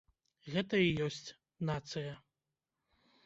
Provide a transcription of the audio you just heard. Гэта і ёсць нацыя.